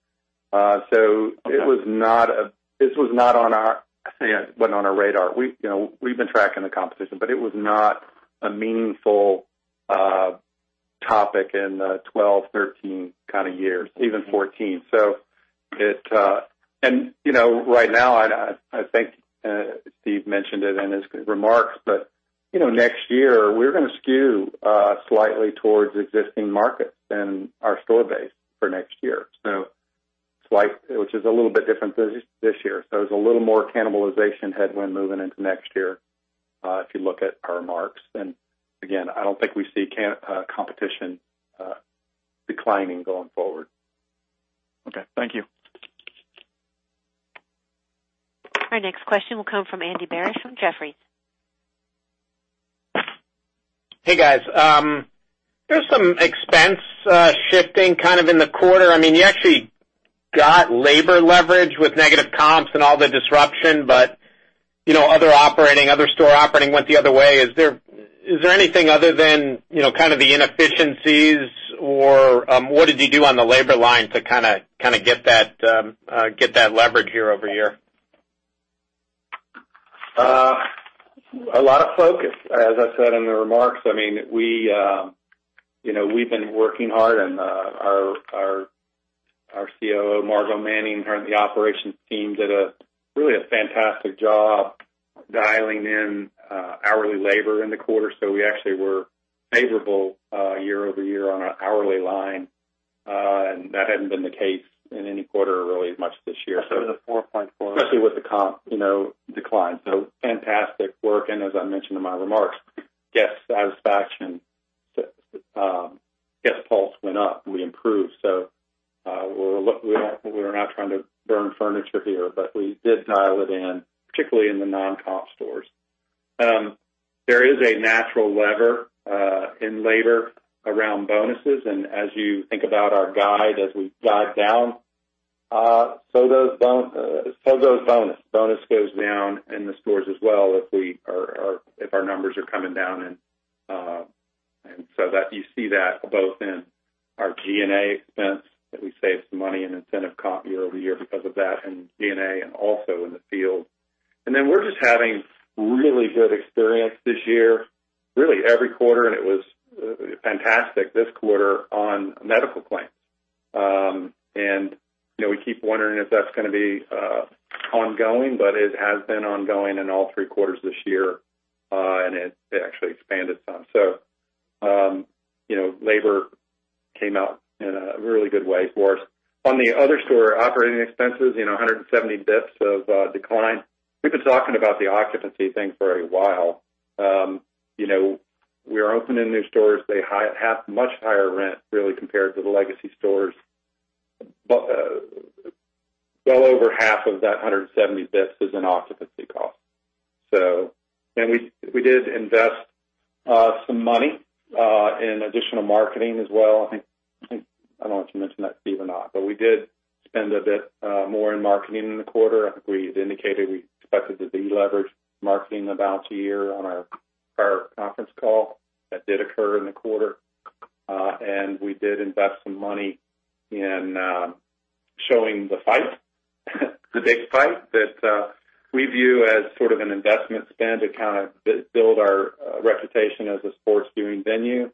Okay. This was not on our radar. We've been tracking the competition, it was not a meaningful topic in the 2012, 2013 kind of years, even 2014. Right now, I think Steve mentioned it in his remarks, next year, we're going to skew slightly towards existing markets than our store base for next year. Slight, which is a little bit different this year. There's a little more cannibalization headwind moving into next year, if you look at our remarks. Again, I don't think we see competition declining going forward. Okay. Thank you. Our next question will come from Andy Barish from Jefferies. Hey, guys. There's some expense shifting kind of in the quarter. You actually got labor leverage with negative comps and all the disruption, but other store operating went the other way. Is there anything other than kind of the inefficiencies, or what did you do on the labor line to kind of get that leverage year-over-year? A lot of focus, as I said in the remarks. We've been working hard, and our COO, Margo Manning, her and the operations team did really a fantastic job dialing in hourly labor in the quarter. We actually were favorable year-over-year on our hourly line. That hadn't been the case in any quarter really as much this year. The 4.4- Especially with the comp decline. Fantastic work, and as I mentioned in my remarks, guest satisfaction, guest pulse went up, and we improved. We're not trying to burn furniture here, but we did dial it in, particularly in the non-comp stores. There is a natural lever in labor around bonuses, and as you think about our guide, as we guide down, so does bonus. Bonus goes down in the stores as well if our numbers are coming down. You see that both in our G&A expense, that we saved some money in incentive comp year-over-year because of that in G&A and also in the field. We're just having really good experience this year, really every quarter, and it was fantastic this quarter on medical claims. We keep wondering if that's going to be ongoing, but it has been ongoing in all three quarters this year, and it actually expanded some. Labor came out in a really good way for us. On the other store operating expenses, 170 bps of decline. We've been talking about the occupancy thing for a while. We are opening new stores. They have much higher rent really compared to the legacy stores. Well over half of that 170 bps is in occupancy cost. We did invest some money in additional marketing as well. I don't know if you mentioned that, Steve, or not, but we did spend a bit more in marketing in the quarter. I think we had indicated we expected to deleverage marketing about a year on our prior conference call. That did occur in the quarter. We did invest some money in showing the fight, the big fight that we view as sort of an investment spend to kind of build our reputation as a sports viewing venue.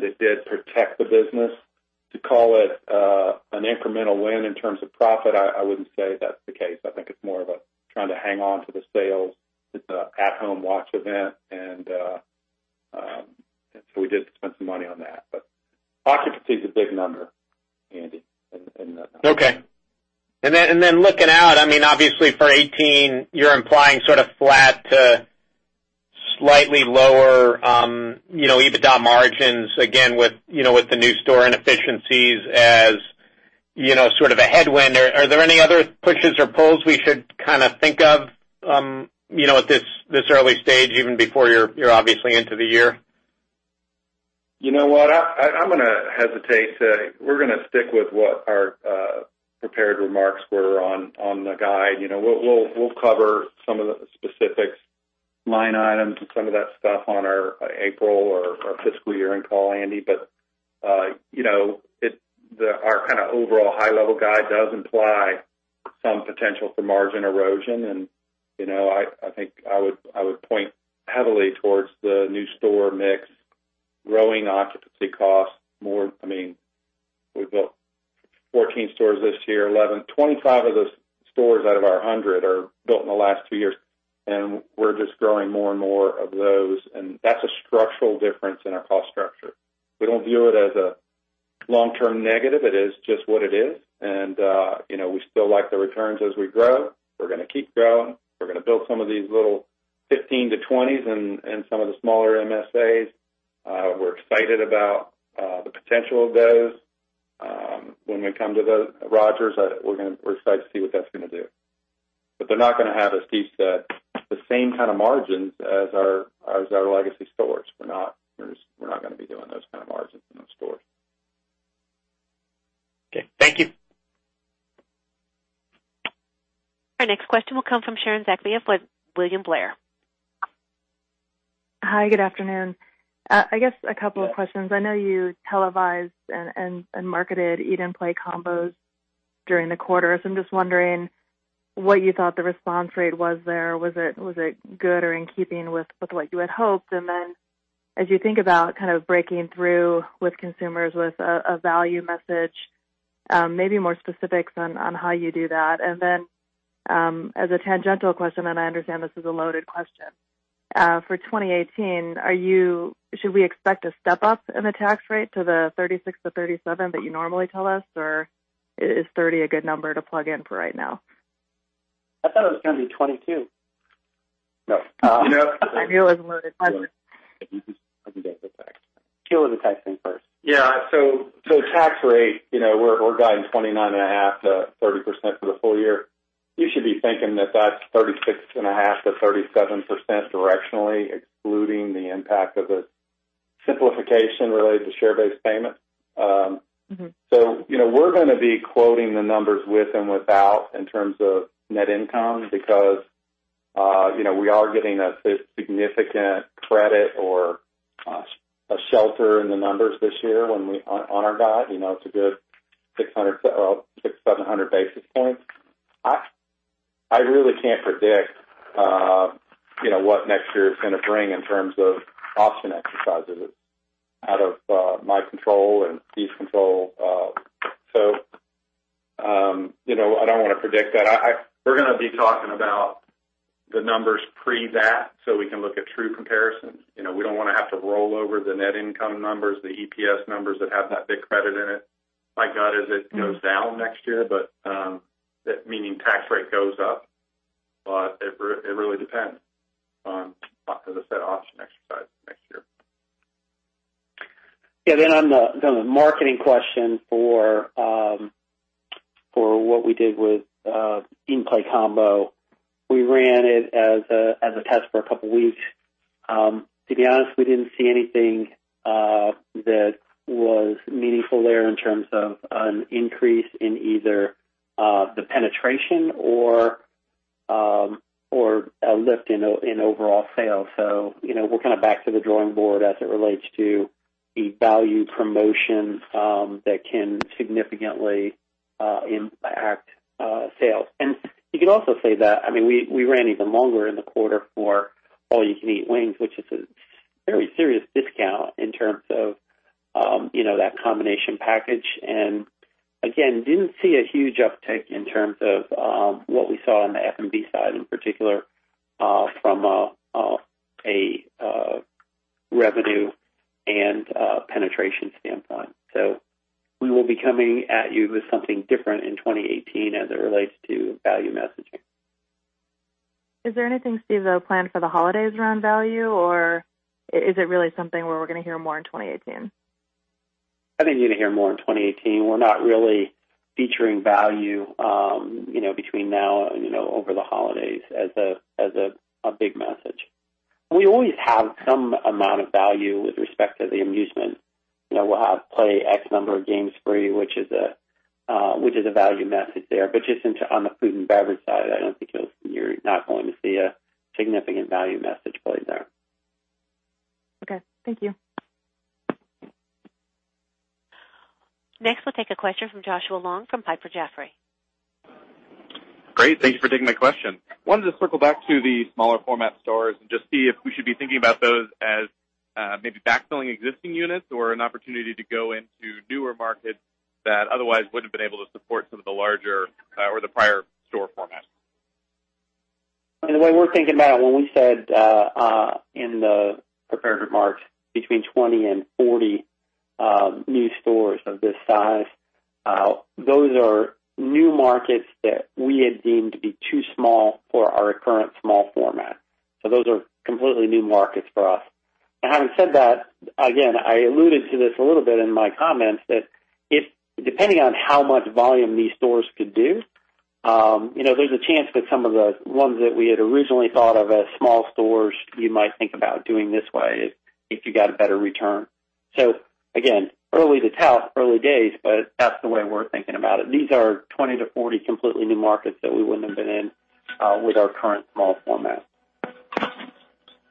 It did protect the business. To call it an incremental win in terms of profit, I wouldn't say that's the case. I think it's more of a trying to hang on to the sales. It's an at-home watch event, so we did spend some money on that. Occupancy is a big number, Andy, in that number. Okay. Looking out, obviously for 2018, you're implying sort of flat to slightly lower EBITDA margins again with the new store inefficiencies as sort of a headwind. Are there any other pushes or pulls we should kind of think of at this early stage, even before you're obviously into the year? You know what? I'm gonna hesitate. We're going to stick with what our prepared remarks were on the guide. We'll cover some of the specifics, line items, and some of that stuff on our April or our fiscal year-end call, Andy. Our kind of overall high level guide does imply some potential for margin erosion, and I think I would point heavily towards the new store mix, growing occupancy costs more. We built 14 stores this year, 11. 25 of those stores out of our 100 are built in the last 2 years, and we're just growing more and more of those, and that's a structural difference in our cost structure. We don't view it as a long-term negative. It is just what it is. We still like the returns as we grow. We're going to keep growing. We're going to build some of these little 15-20s in some of the smaller MSAs. We're excited about the potential of those. When we come to the Rogers, we're excited to see what that's going to do. They're not going to have, Steve, the same kind of margins as our legacy stores. We're not going to be doing those kind of margins in those stores. Okay. Thank you. Our next question will come from Sharon Zackfia with William Blair. Hi, good afternoon. I guess a couple of questions. I know you televised and marketed Eat & Play combos during the quarter. I'm just wondering what you thought the response rate was there. Was it good or in keeping with what you had hoped? As you think about kind of breaking through with consumers with a value message, maybe more specifics on how you do that. As a tangential question, and I understand this is a loaded question, for 2018, should we expect a step up in the tax rate to the 36%-37% that you normally tell us, or is 30% a good number to plug in for right now? I thought it was going to be 22%. No. I knew it was a loaded question. I can get the tax. Steve will do the tax thing first. Yeah. Tax rate, we're guiding 29.5%-30% for the full year. You should be thinking that that's 36.5%-37% directionally, excluding the impact of the simplification related to share-based payment. We're going to be quoting the numbers with and without in terms of net income, because we are getting a significant credit or a shelter in the numbers this year on our guide. It's a good 600, 700 basis points. I really can't predict what next year is going to bring in terms of option exercises. It's out of my control and Steve's control. I don't want to predict that. We're going to be talking about the numbers pre that so we can look at true comparisons. We don't want to have to roll over the net income numbers, the EPS numbers that have that big credit in it. My gut is it goes down next year, meaning tax rate goes up, it really depends on as I said, option exercise next year. Yeah. On the marketing question for what we did with Eat & Play Combo, we ran it as a test for a couple weeks. To be honest, we didn't see anything that was meaningful there in terms of an increase in either the penetration or a lift in overall sales. We're kind of back to the drawing board as it relates to a value promotion that can significantly impact sales. You could also say that, we ran even longer in the quarter for All You Can Eat Wings, which is a very serious discount in terms of That combination package. Again, didn't see a huge uptick in terms of what we saw on the F&B side, in particular, from a revenue and penetration standpoint. We will be coming at you with something different in 2018 as it relates to value messaging. Is there anything, Steve, though, planned for the holidays around value, or is it really something where we're going to hear more in 2018? I think you're going to hear more in 2018. We're not really featuring value between now and over the holidays as a big message. We always have some amount of value with respect to the amusement. We'll have play X number of games free, which is a value message there, but just on the food and beverage side, you're not going to see a significant value message play there. Okay. Thank you. Next, we'll take a question from Joshua Long from Piper Jaffray. Great. Thank you for taking my question. I wanted to circle back to the smaller format stores and just see if we should be thinking about those as maybe backfilling existing units or an opportunity to go into newer markets that otherwise wouldn't have been able to support some of the larger or the prior store format. The way we're thinking about it, when we said in the prepared remarks between 20 and 40 new stores of this size, those are new markets that we had deemed to be too small for our current small format. Those are completely new markets for us. Having said that, again, I alluded to this a little bit in my comments that depending on how much volume these stores could do, there's a chance that some of the ones that we had originally thought of as small stores, we might think about doing this way if you got a better return. Again, early to tell, early days, but that's the way we're thinking about it. These are 20 to 40 completely new markets that we wouldn't have been in with our current small format.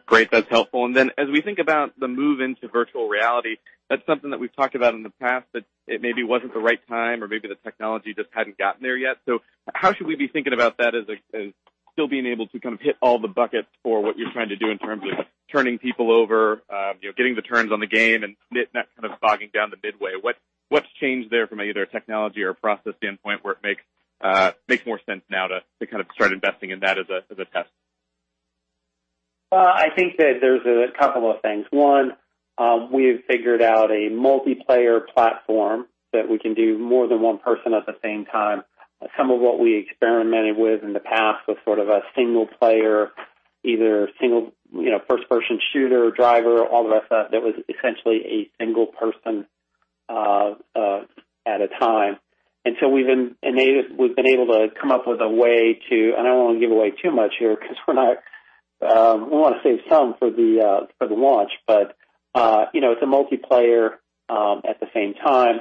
Great. That's helpful. As we think about the move into virtual reality, that's something that we've talked about in the past, that it maybe wasn't the right time or maybe the technology just hadn't gotten there yet. How should we be thinking about that as still being able to kind of hit all the buckets for what you're trying to do in terms of turning people over, getting the turns on the game, and net-net kind of bogging down the midway. What's changed there from either a technology or a process standpoint where it makes more sense now to kind of start investing in that as a test? I think that there's a couple of things. One, we have figured out a multiplayer platform that we can do more than one person at the same time. Some of what we experimented with in the past was sort of a single player, either first-person shooter or driver, all the rest of that was essentially a single person at a time. We've been able to come up with a way to, and I won't give away too much here because we want to save some for the launch, but it's a multiplayer at the same time.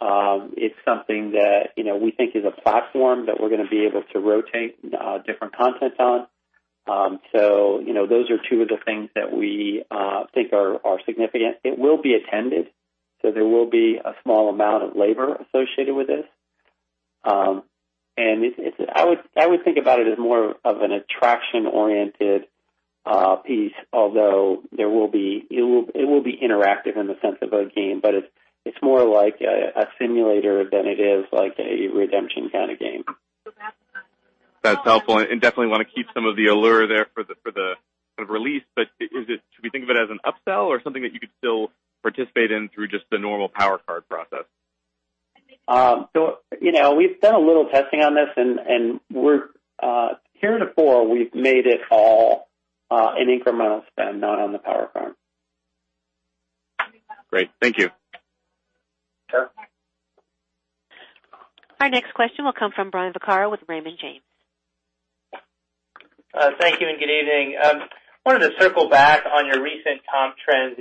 It's something that we think is a platform that we're going to be able to rotate different content on. Those are two of the things that we think are significant. It will be attended, so there will be a small amount of labor associated with this. I would think about it as more of an attraction-oriented piece, although it will be interactive in the sense of a game, but it's more like a simulator than it is like a redemption kind of game. That's helpful, definitely want to keep some of the allure there for the release. Should we think of it as an upsell or something that you could still participate in through just the normal Power Card process? We've done a little testing on this, and herein before, we've made it all an incremental spend, not on the Power Card. Great. Thank you. Sure. Our next question will come from Brian Vaccaro with Raymond James. Thank you and good evening.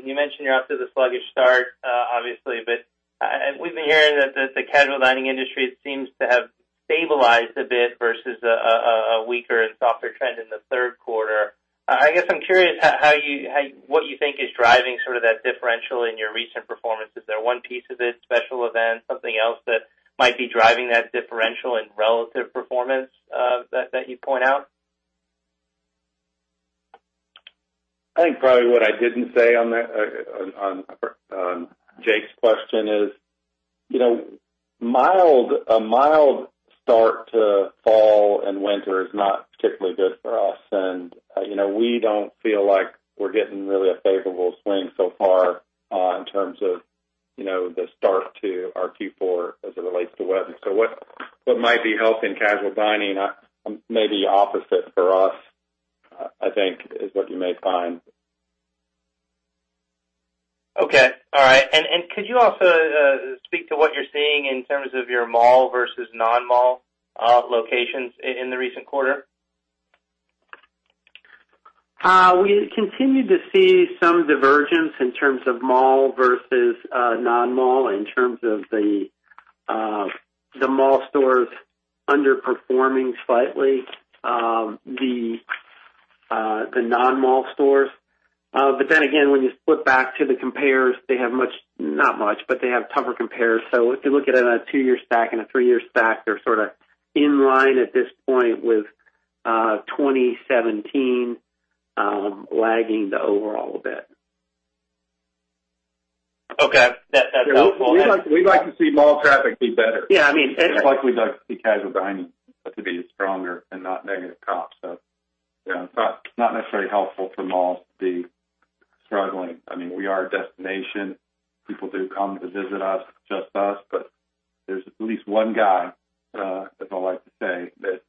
You mentioned you're off to the sluggish start, obviously, but we've been hearing that the casual dining industry seems to have stabilized a bit versus a weaker and softer trend in the third quarter. I guess I'm curious what you think is driving sort of that differential in your recent performance. Is there one piece of it, special event, something else that might be driving that differential in relative performance that you point out? I think probably what I didn't say on Jake's question is a mild start to fall and winter is not particularly good for us, and we don't feel like we're getting really a favorable swing so far in terms of the start to our Q4 as it relates to weather. What might be helping casual dining may be opposite for us, I think is what you may find. Okay. All right. Could you also speak to what you're seeing in terms of your mall versus non-mall locations in the recent quarter? We continue to see some divergence in terms of mall versus non-mall, in terms of the mall stores underperforming slightly the non-mall stores. Again, when you flip back to the compares, they have not much, but they have tougher compares. If you look at it in a two-year stack and a three-year stack, they're sort of in line at this point with 2017. Lagging the overall a bit. Okay. That's helpful. We like to see mall traffic be better. Yeah. Just like we like to see casual dining to be stronger and not negative comps. Yeah, it's not necessarily helpful for malls to be struggling. We are a destination. People do come to visit us, just us, but there's at least one guy, as I like to say, that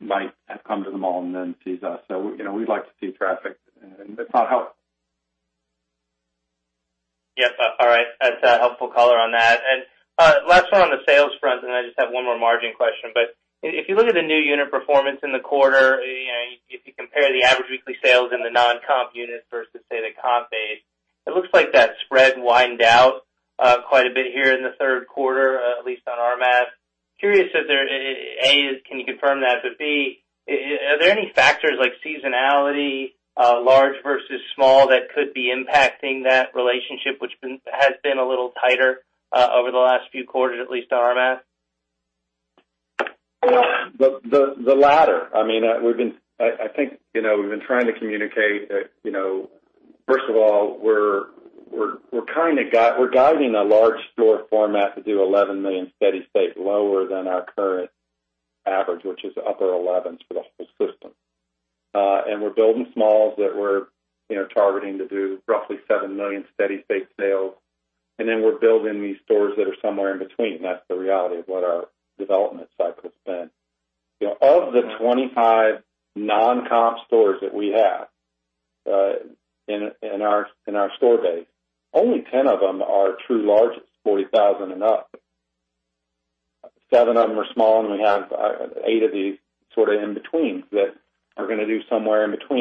might have come to the mall and then sees us. We like to see traffic, and it's not helping. Yes. All right. That's a helpful color on that. Last one on the sales front, and I just have one more margin question, but if you look at the new unit performance in the quarter, if you compare the average weekly sales in the non-comp units versus, say, the comp base, it looks like that spread widened out quite a bit here in the third quarter, at least on our math. Curious if, A, can you confirm that, but B, are there any factors like seasonality, large versus small, that could be impacting that relationship, which has been a little tighter over the last few quarters, at least to our math? The latter. I think we've been trying to communicate that, first of all, we're guiding a large store format to do $11 million steady state lower than our current average, which is upper $11 million for the whole system. We're building smalls that we're targeting to do roughly $7 million steady state sales. We're building these stores that are somewhere in between. That's the reality of what our development cycle has been. Of the 25 non-comp stores that we have in our store base, only 10 of them are true large, it's 40,000 and up. Seven of them are small, and we have eight of these sort of in-betweens that are going to do somewhere in between.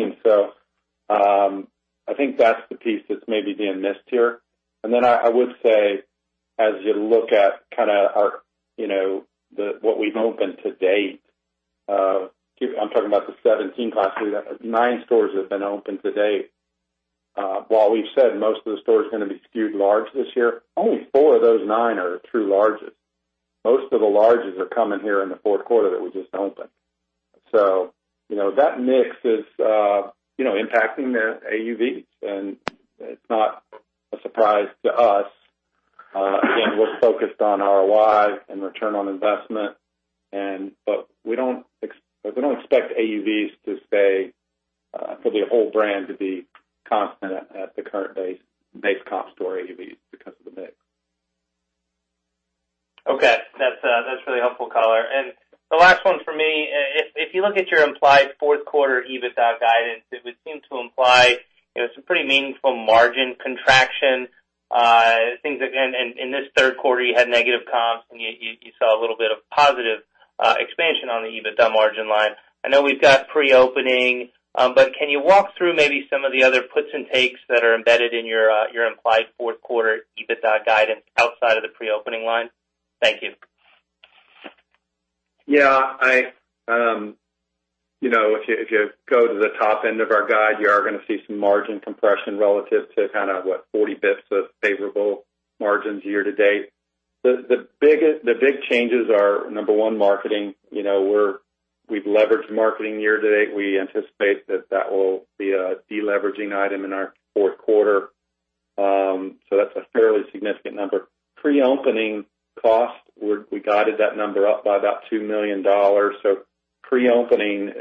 I think that's the piece that's maybe being missed here. I would say, as you look at what we've opened to date, I'm talking about the 17 class. Nine stores have been opened to date. While we've said most of the stores are going to be skewed large this year, only four of those nine are true larges. Most of the larges are coming here in the fourth quarter that we just opened. That mix is impacting their AUVs, and it's not a surprise to us. Again, we're focused on ROIs and return on investment, but we don't expect AUVs to stay for the whole brand to be constant at the current base comp store AUVs because of the mix. Okay. That's really helpful color. The last one for me, if you look at your implied fourth quarter EBITDA guidance, it would seem to imply some pretty meaningful margin contraction. In this third quarter, you had negative comps, and you saw a little bit of positive expansion on the EBITDA margin line. I know we've got pre-opening, but can you walk through maybe some of the other puts and takes that are embedded in your implied fourth quarter EBITDA guidance outside of the pre-opening line? Thank you. Yeah. If you go to the top end of our guide, you are going to see some margin compression relative to kind of, what, 40 basis points of favorable margins year to date. The big changes are, number 1, marketing. We've leveraged marketing year to date. We anticipate that that will be a de-leveraging item in our fourth quarter. That's a fairly significant number. Pre-opening cost, we guided that number up by about $2 million. Pre-opening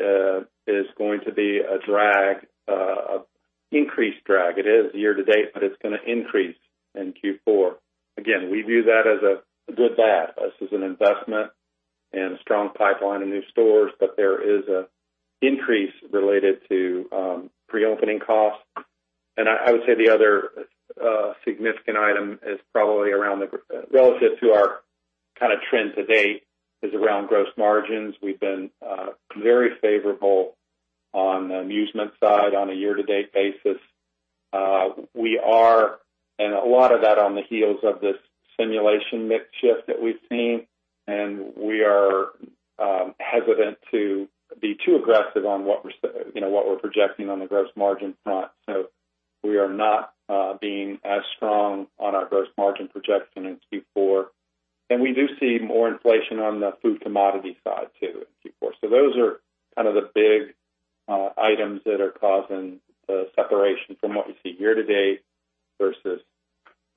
is going to be an increased drag. It is year to date, but it's going to increase in Q4. Again, we view that as a good/bad. This is an investment and a strong pipeline of new stores, but there is an increase related to pre-opening costs. I would say the other significant item is probably relative to our kind of trend to date is around gross margins. We've been very favorable on the amusement side on a year-to-date basis. A lot of that on the heels of this simulation mix shift that we've seen, we are hesitant to be too aggressive on what we're projecting on the gross margin front. We are not being as strong on our gross margin projection in Q4. We do see more inflation on the food commodity side, too, in Q4. Those are kind of the big items that are causing the separation from what we see year to date versus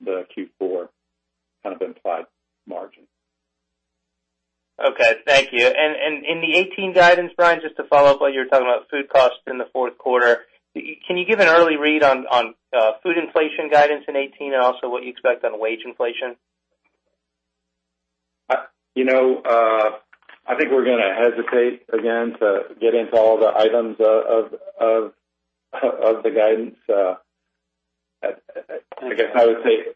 the Q4 implied margin. Okay. Thank you. In the 2018 guidance, Brian, just to follow up while you were talking about food costs in the fourth quarter, can you give an early read on food inflation guidance in 2018 and also what you expect on wage inflation? I think we're going to hesitate again to get into all the items of the guidance. I guess I would say.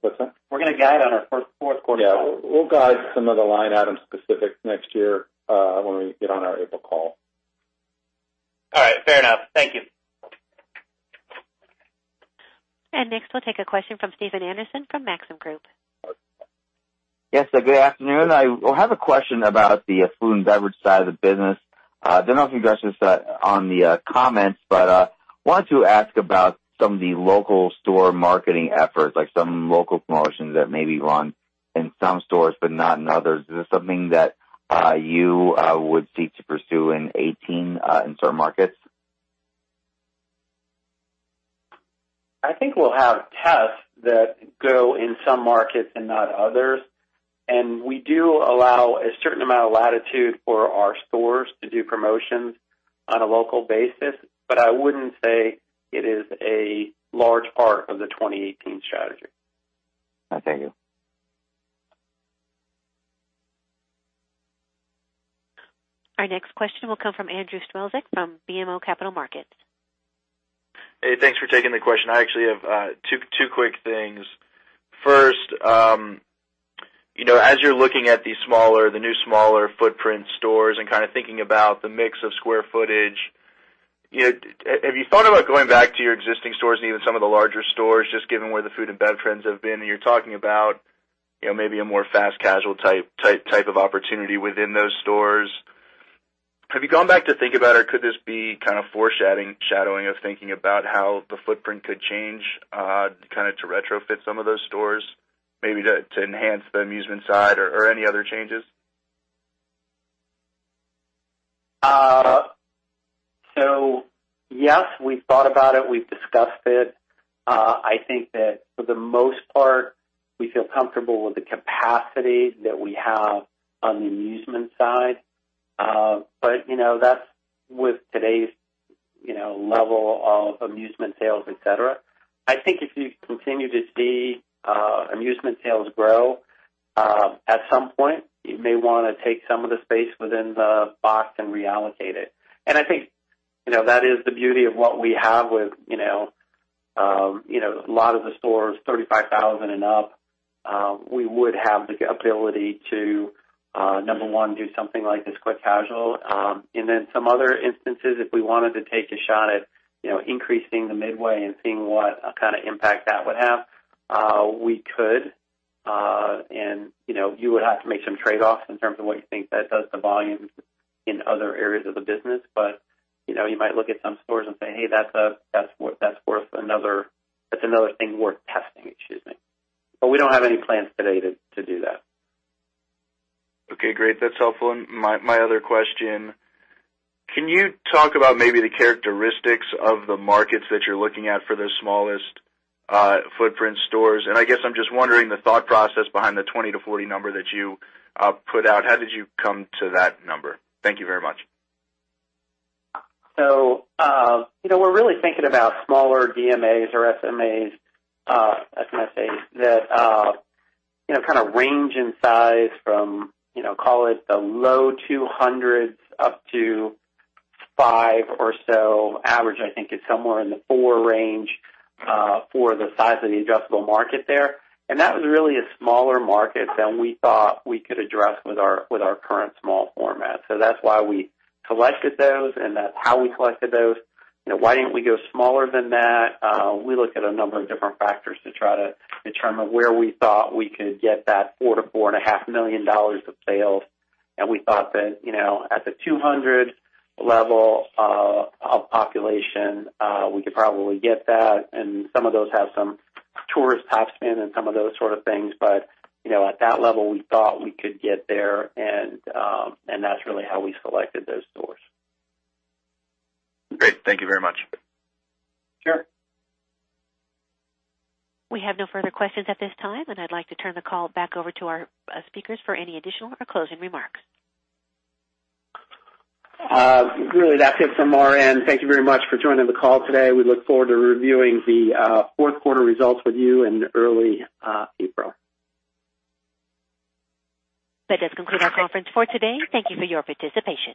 What's that? We're going to guide on our first fourth quarter. Yeah. We'll guide some of the line item specifics next year when we get on our April call. All right. Fair enough. Thank you. Next, we'll take a question from Stephen Anderson from Maxim Group. Yes, sir. Good afternoon. I have a question about the food and beverage side of the business. I don't know if you addressed this on the comments, but I wanted to ask about some of the local store marketing efforts, like some local promotions that may be run in some stores, but not in others. Is this something that you would seek to pursue in 2018 in certain markets? I think we'll have tests that go in some markets and not others. We do allow a certain amount of latitude for our stores to do promotions on a local basis, but I wouldn't say it is a large part of the 2018 strategy. Thank you. Our next question will come from Andrew Strelzik from BMO Capital Markets. Hey, thanks for taking the question. I actually have two quick things. First, as you're looking at the new smaller footprint stores and kind of thinking about the mix of square footage, have you thought about going back to your existing stores and even some of the larger stores, just given where the food and bev trends have been, and you're talking about maybe a more fast casual type of opportunity within those stores. Have you gone back to think about, or could this be kind of foreshadowing of thinking about how the footprint could change, kind of to retrofit some of those stores, maybe to enhance the amusement side or any other changes? Yes, we've thought about it. We've discussed it. I think that for the most part, we feel comfortable with the capacity that we have on the amusement side. But that's with today's level of amusement sales, et cetera. I think if you continue to see amusement sales grow, at some point, you may want to take some of the space within the box and reallocate it. I think that is the beauty of what we have with a lot of the stores 35,000 and up, we would have the ability to, number 1, do something like this quick casual. In some other instances, if we wanted to take a shot at increasing the midway and seeing what kind of impact that would have, we could, and you would have to make some trade-offs in terms of what you think that does to volumes in other areas of the business. You might look at some stores and say, "Hey, that's another thing worth testing." Excuse me. We don't have any plans today to do that. Okay, great. That's helpful. My other question, can you talk about maybe the characteristics of the markets that you're looking at for the smallest footprint stores? I guess I'm just wondering the thought process behind the 20-40 number that you put out. How did you come to that number? Thank you very much. We're really thinking about smaller DMAs or SMAs, SMSAs that kind of range in size from call it the low 200s up to five or so. Average, I think, is somewhere in the four range, for the size of the adjustable market there. That was really a smaller market than we thought we could address with our current small format. That's why we collected those, and that's how we collected those. Why didn't we go smaller than that? We looked at a number of different factors to try to determine where we thought we could get that $4 million-$4.5 million of sales. We thought that at the 200 level of population, we could probably get that. Some of those have some tourist topspin and some of those sort of things. At that level, we thought we could get there, and that's really how we selected those stores. Great. Thank you very much. Sure. We have no further questions at this time. I'd like to turn the call back over to our speakers for any additional or closing remarks. Really, that's it from our end. Thank you very much for joining the call today. We look forward to reviewing the fourth quarter results with you in early April. That does conclude our conference for today. Thank you for your participation.